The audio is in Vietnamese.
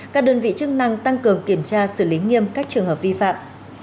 các đơn vị chức năng tăng cường kiểm tra xử lý nghiêm các trường hợp vi phạm